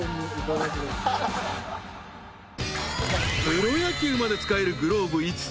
［プロ野球まで使えるグラブ５つ。